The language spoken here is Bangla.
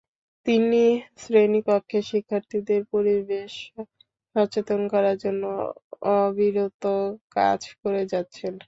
তিনি শ্রেণিকক্ষে শিক্ষার্থীদের পরিবেশ সচেতন করার জন্য অবিরত কাজ করে যাচ্ছেন।